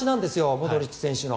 モドリッチ選手の。